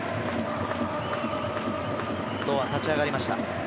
堂安、立ち上がりました。